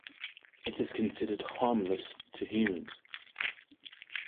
It is considered harmless to humans.